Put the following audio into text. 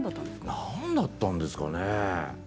何だったんですかね。